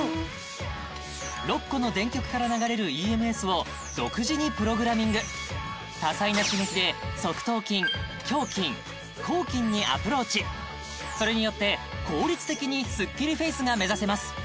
６個の電極から流れるＥＭＳを独自にプログラミング多彩な刺激で側頭筋頬筋咬筋にアプローチそれによって効率的にスッキリフェイスが目指せます